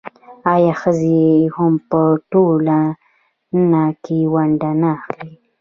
آیا ښځې هم په ټولنه کې ونډه نه اخلي؟